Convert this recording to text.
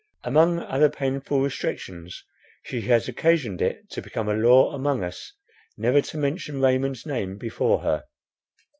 Among other painful restrictions, she has occasioned it to become a law among us, never to mention Raymond's name before her.